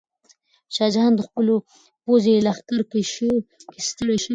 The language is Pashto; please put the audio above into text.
شاه جهان په خپلو پوځي لښکرکشیو کې ستړی شوی و.